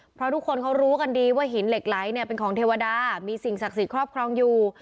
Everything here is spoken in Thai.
เพราะทุกคนเขารู้กันดีว่าหินเหล็กไหลเนี่ยเป็นของเทวดามีสิ่งศักดิ์สิทธิ์ครอบครองอยู่